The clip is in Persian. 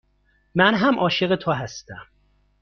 من هم عاشق تو هستم.